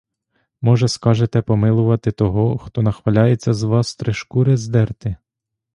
Може, скажете помилувати того, хто нахваляється з вас три шкури здерти?